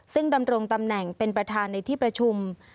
ซึ่งดำรงตำแหน่งเป็นประธานในที่ประชุม